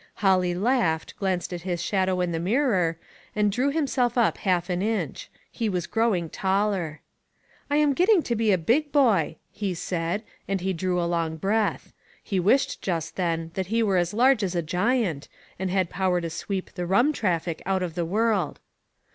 Holly laughed, glanced at his shadow in the mirror, and drew himself up half an inch. He was growing taller. "I'm getting to be a big boy," he said, and he drew a long breath. He wished, just then, that he were as large as a giant, and had power to sweep the rum traffic out of the world.